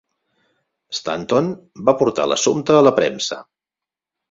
Stanton va portar l'assumpte a la premsa.